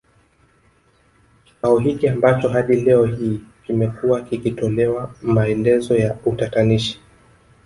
Kikao hiki ambacho hadi leo hii kimekuwa kikitolewa maelezo ya utatanishi